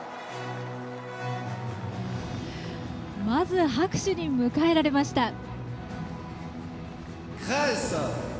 まず拍手で迎えられました。